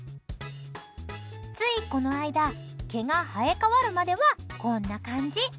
ついこの間毛が生え変わるまではこんな感じ。